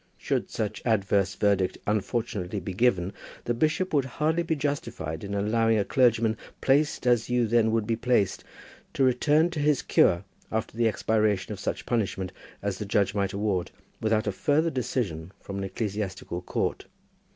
Should such adverse verdict unfortunately be given, the bishop would hardly be justified in allowing a clergyman placed as you then would be placed, to return to his cure after the expiration of such punishment as the judge might award, without a further decision from an ecclesiastical court.